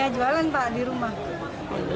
jualan pak di rumah